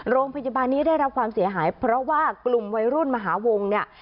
โรงพยาบาลนี้ได้รับความเสียหายเพราะว่ากลุ่มวัยรุ่นมหาวงเนี่ย